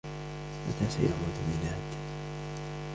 متى سيعود ميناد ؟